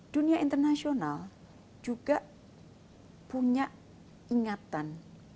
dunia internasional juga punya ingatan